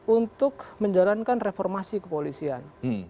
untuk menjalankan reformasi kepolisian